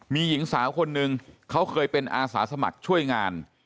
มีหญิงสาวคนนึงเขาเคยเป็นอาสาสมัครช่วยงาน